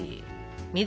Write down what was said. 水。